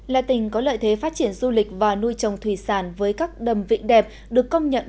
là tỉnh có lợi thế phát triển du lịch và nuôi trồng thủy sản với các đầm vị đẹp được công nhận